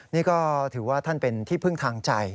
นี่ก็ถือว่าท่านเป็นที่พึ่งทางใจ